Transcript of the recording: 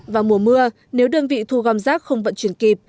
vào mùa mưa nếu đơn vị thu gom rác không vận chuyển kịp